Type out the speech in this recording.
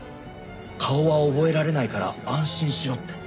顔は覚えられないから安心しろって。